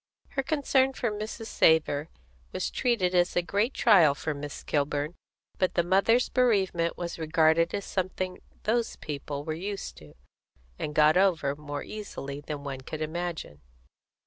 Her concern for Mrs. Savor was treated as a great trial for Miss Kilburn; but the mother's bereavement was regarded as something those people were used to, and got over more easily than one could imagine.